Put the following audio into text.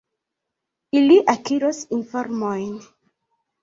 Ili akiros informojn.